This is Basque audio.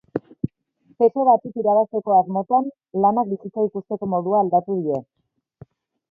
Peso batzuk irabazteko asmotan, lanak bizitza ikusteko modua aldatuko die.